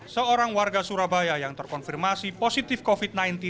seorang warga surabaya yang terkonfirmasi positif covid sembilan belas